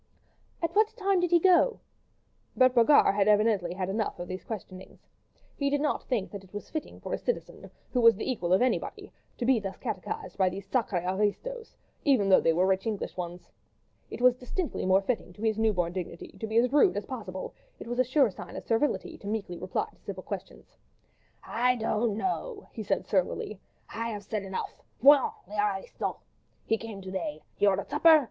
"At what time did he go?" But Brogard had evidently had enough of these questionings. He did not think that it was fitting for a citizen—who was the equal of anybody—to be thus catechised by these sacrrés aristos, even though they were rich English ones. It was distinctly more fitting to his new born dignity to be as rude as possible; it was a sure sign of servility to meekly reply to civil questions. "I don't know," he said surlily. "I have said enough, voyons, les aristos! ... He came to day. He ordered supper.